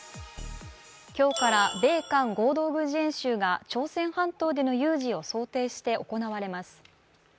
今日から米韓合同軍事演習が、朝鮮半島での有事を想定して行われます。